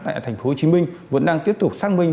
tại tp hcm vẫn đang tiếp tục xác minh